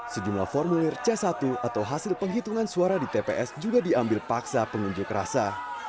sejumlah formulir c satu atau hasil penghitungan suara di tps juga diambil paksa pengunjuk rasa